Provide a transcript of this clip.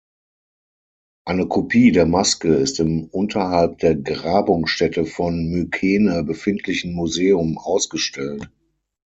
Eine Kopie der Maske ist im unterhalb der Grabungsstätte von Mykene befindlichen Museum ausgestellt.